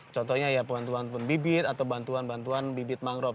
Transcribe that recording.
contohnya ya bantuan pembibit atau bantuan bantuan bibit mangrove